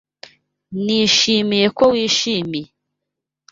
Nishimiye ko wishimiye.